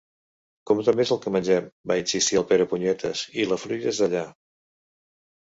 Compta més el que mengem —va insistir el Perepunyetes—, i la fruita és d'allà.